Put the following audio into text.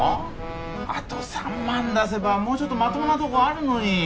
あと３万出せばもうちょっとまともなとこあるのに。